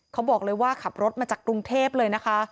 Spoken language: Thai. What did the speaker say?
เขาบอกเลยว่าขับรถมาจากกรุงเทพเลยนะคะ